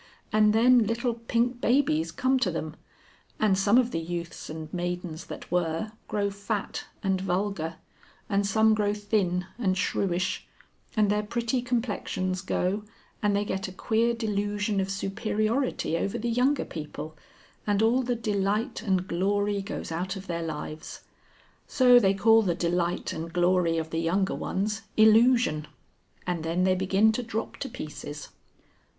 And then little pink babies come to them, and some of the youths and maidens that were, grow fat and vulgar, and some grow thin and shrewish, and their pretty complexions go, and they get a queer delusion of superiority over the younger people, and all the delight and glory goes out of their lives. So they call the delight and glory of the younger ones, Illusion. And then they begin to drop to pieces."